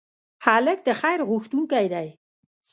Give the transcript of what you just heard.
هلک د خیر غوښتونکی دی.